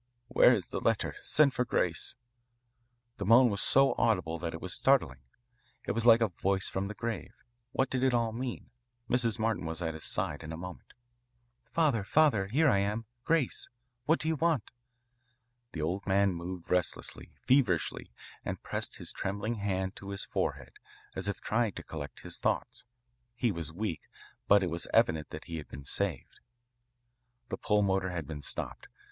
"Where is the letter? Send for Grace." The moan was so audible that it was startling. It was like a voice from the grave. What did it all mean? Mrs. Martin was at his side in a moment. "Father, father, here I am Grace. What do you want?" The old man moved restlessly, feverishly, and pressed his trembling hand to his forehead as if trying to collect his thoughts. He was weak, but it was evident that he had been saved. The pulmotor had been stopped.